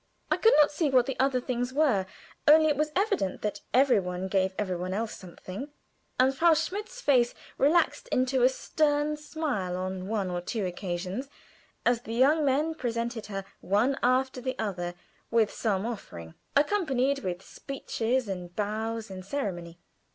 I could not see what the other things were, only it was evident that every one gave every one else something, and Frau Schmidt's face relaxed into a stern smile on one or two occasions, as the young men presented her one after the other with some offering, accompanied with speeches and bows and ceremony.